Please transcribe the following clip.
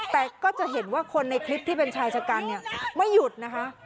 แต่ก็จะเห็นว่าคนในคลิปที่เป็นชายชะกันเนี่ยไม่หยุดนะคะ